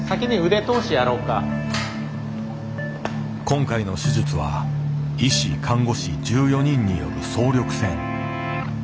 今回の手術は医師看護師１４人による総力戦。